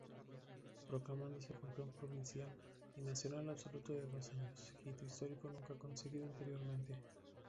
Proclamándose campeón provincial y nacional absoluto los dos años, hito histórico nunca conseguido anteriormente.